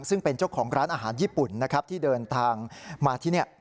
ซึ่งเป็นเจ้าของร้านอาหารญี่ปุ่นนะครับที่เดินทางมาที่นี่